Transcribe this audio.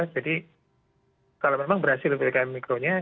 jadi kalau memang berhasil bdkm mikro nya